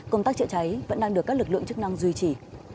công tác chữa cháy vẫn đang được các lực lượng chức năng duy trì